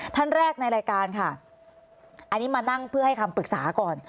ท่านแรกในรายการค่ะอันนี้มานั่งเพื่อให้คำปรึกษาก่อน